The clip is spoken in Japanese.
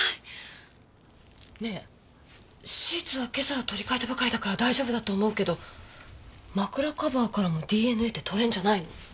ねえシーツは今朝取り替えたばかりだから大丈夫だと思うけど枕カバーからもＤＮＡって採れるんじゃないの？